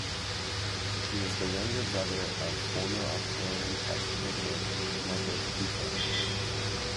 He is the younger brother of former Australian Test cricketer Michael Hussey.